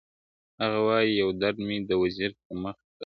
هغه وايي يو درد مي د وزير پر مخ گنډلی.